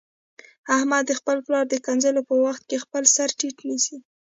احمد د خپل پلار د کنځلو په وخت کې خپل سرټیټ نیسي.